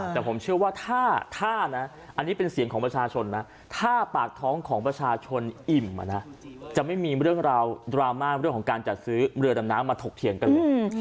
แต่ผมเชื่อว่าถ้านะอันนี้เป็นเสียงของประชาชนนะถ้าปากท้องของประชาชนอิ่มจะไม่มีเรื่องราวดราม่าเรื่องของการจัดซื้อเรือดำน้ำมาถกเถียงกันเลย